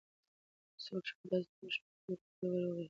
څوک په داسې توره شپه کې د کوټې ور وهي؟